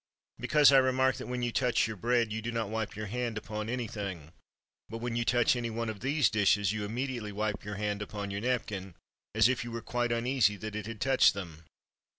"Because I remark," said he, "that when you touch your bread, you do not wipe your hand upon any thing, but when you touch any one of these dishes, you immediately wipe your hand upon your napkin, as if you were quite uneasy that it had touched them."